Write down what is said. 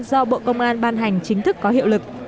do bộ công an ban hành chính thức có hiệu lực